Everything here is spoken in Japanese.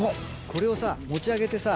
これをさ持ち上げてさ。